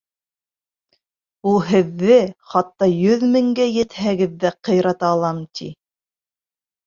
Ул һеҙҙе, хатта йөҙ меңгә етһәгеҙ ҙә, ҡыйрата алам, ти.